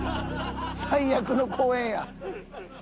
最悪の公園や。